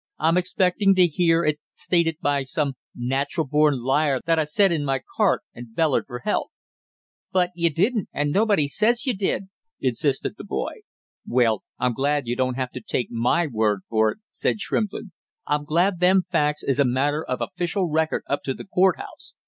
"I'm expecting to hear it stated by some natural born liar that I set in my cart and bellered for help!" "But you didn't, and nobody says you did," insisted the boy. "Well, I'm glad you don't have to take my word for it," said Shrimplin. "I'm glad them facts is a matter of official record up to the court house.